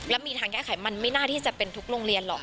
แล้วมีทางแก้ไขมันไม่น่าที่จะเป็นทุกโรงเรียนหรอก